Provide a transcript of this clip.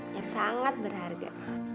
yang sangat berharga